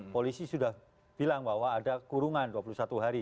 polisi sudah bilang bahwa ada kurungan dua puluh satu hari